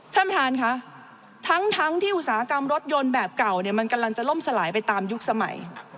ท่านประธานค่ะทั้งที่อุตสาหกรรมรถยนต์แบบเก่าเนี่ยมันกำลังจะล่มสลายไปตามยุคสมัย